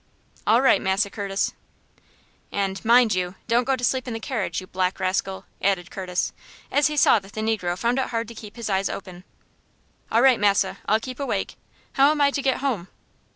"All right, Massa Curtis." "And, mind you, don't go to sleep in the carriage, you black rascal!" added Curtis, as he saw that the negro found it hard to keep his eyes open. "All right, massa, I'll keep awake. How am I to get home?"